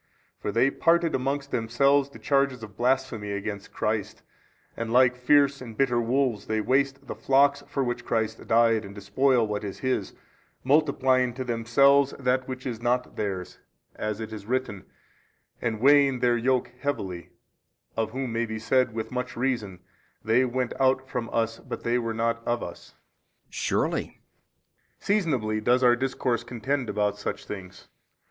For they parted amongst themselves the charges of blasphemy against Christ and like fierce and bitter wolves they waste the flocks for which Christ died, and despoil what is His, multiplying to themselves that which is not theirs, as it is written, and weighting their yoke heavily, of whom may be said with much reason, They went out from us but they were not of us. B. Surely. A. Seasonably does our discourse contend about such things.